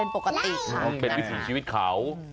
เป็นปกตินะเป็นวิถีชีวิตเขา